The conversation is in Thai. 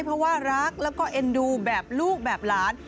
เพราะว่ารักแล้วก็เอ็นดูแบบลูกแบบหลาน